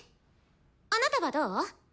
あなたはどう？